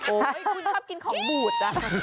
คุณชอบกินของบูด